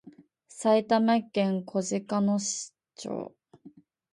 埼玉県小鹿野町